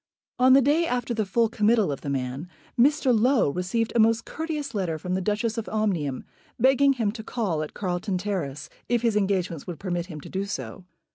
On the day after the full committal of the man, Mr. Low received a most courteous letter from the Duchess of Omnium, begging him to call in Carlton Terrace if his engagements would permit him to do so.